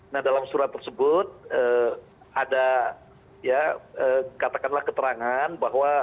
nah dalam surat tersebut katakanlah keterangan bahwa